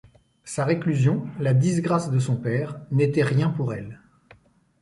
Sa réclusion, la disgrâce de son père, n’étaient rien pour elle.